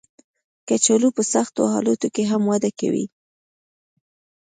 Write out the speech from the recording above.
کچالو په سختو حالاتو کې هم وده کوي